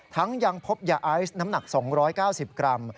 ยังพบยาไอซ์น้ำหนัก๒๙๐กรัม